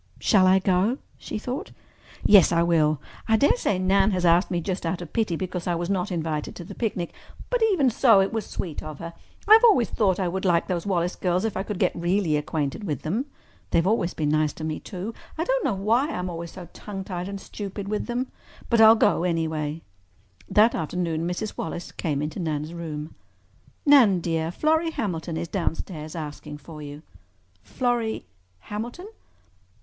"Shall I go?" she thought. "Yes, I will. I dare say Nan has asked me just out of pity because I was not invited to the picnic. But even so it was sweet of her. I've always thought I would like those Wallace girls if I could get really acquainted with them. They've always been nice to me, too—I don't know why I am always so tongue tied and stupid with them. But I'll go anyway." That afternoon Mrs. Wallace came into Nan's room. "Nan, dear, Florrie Hamilton is downstairs asking for you." "Florrie—Hamilton?"